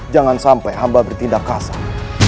jangan sampai hamba bertindak kasar